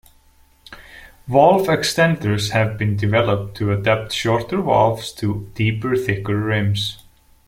Valve extenders have been developed to adapt shorter valves to deeper, thicker, rims.